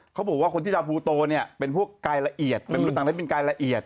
เขาบอกว่าคนที่ดาวภูโตเนี่ยเป็นพวกกายละเอียดเป็นมนุษย์ต่างได้เป็นกายละเอียด